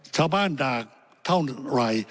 ชาวบ้านดากเท่าไร